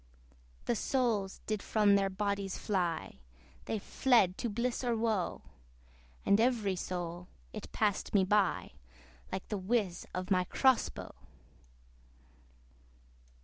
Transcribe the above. The souls did from their bodies fly, They fled to bliss or woe! And every soul, it passed me by, Like the whizz of my CROSS BOW!